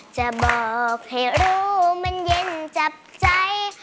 จะบอกให้รู้มันเย็นจับใจ